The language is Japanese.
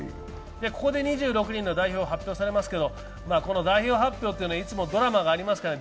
ここで２６人の代表が発表されますが代表発表はいつもドラマがありますから、